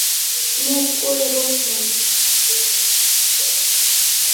আমরা পাশেই একটি কাঠের গুঁড়ির ওপর দুজন দুদিকে মুখ করে বসলাম।